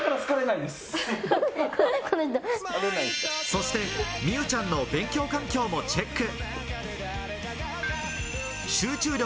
そして美羽ちゃんの勉強環境もチェック。